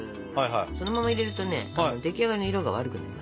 そのまま入れるとね出来上がりの色が悪くなります。